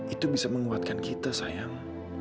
itu bisa menguatkan kita sayang